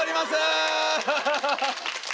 ハハハハ。